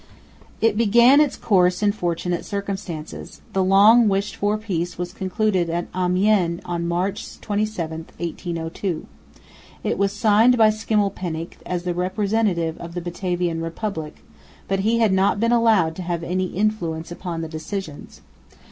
It began its course in fortunate circumstances. The long wished for peace was concluded at Amiens on March 27, 1802. It was signed by Schimmelpenninck, as the representative of the Batavian Republic, but he had not been allowed to have any influence upon the decisions.